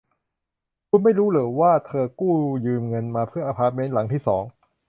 คุณไม่รู้หรอว่าเธอกู้ยืมเงินมาเพื่ออพาร์ตเม้นหลังที่สอง